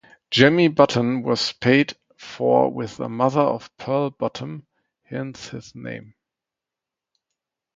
Jemmy Button was paid for with a mother of pearl button, hence his name.